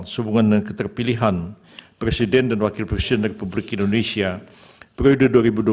sehubungan dengan keterpilihan presiden dan wakil presiden republik indonesia periode dua ribu dua puluh empat dua ribu dua puluh sembilan